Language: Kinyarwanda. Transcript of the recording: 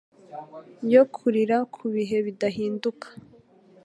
yo kurira ku bihe bidahinduka.